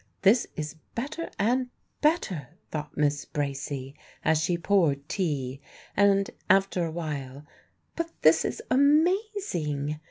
"This is better and better," thought Miss Bracy as she poured tea; and, after a while, "But this is amazing!"